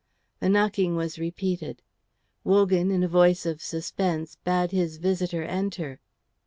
The knocking was repeated. Wogan in a voice of suspense bade his visitor enter.